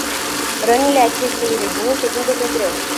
Rănile acestei regiuni se vindecă greu.